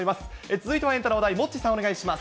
続いてはエンタの話題、モッチーさん、お願いします。